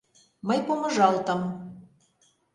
Мый помыжалтым.